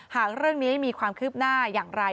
หากเรื่องนี้มีความคืบหน้าอย่างไร